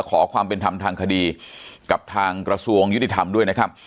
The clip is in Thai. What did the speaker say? ขอความเป็นธรรมทางคดีกับทางกระทรวงยุติธรรมด้วยนะครับ